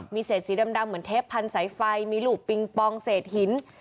มีเศษสีดำเหมือนเทปพันธุ์สายไฟมีลูกปิงปองเศษหิน